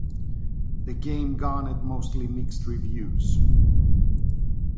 The game garnered mostly mixed reviews.